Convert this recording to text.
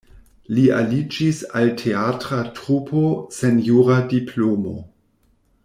Li aliĝis al teatra trupo sen jura diplomo.